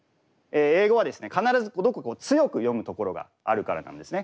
英語はですね必ずどこか強く読む所があるからなんですね。